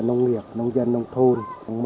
nông nghiệp nông dân nông thôn